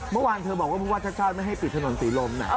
เมื่อวานเธอบอกว่าชักชาติไม่ให้ปิดถนนสีลม